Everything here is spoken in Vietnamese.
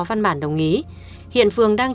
văn bản đồng ý hiện phường đang